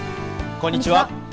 こんにちは。